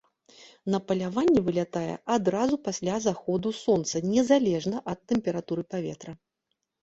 На паляванне вылятае адразу пасля захаду сонца незалежна ад тэмпературы паветра.